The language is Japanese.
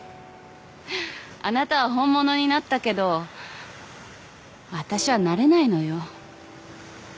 あなたは本物になったけど私はなれないのよ。